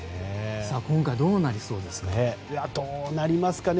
今回、どうなりそうですか？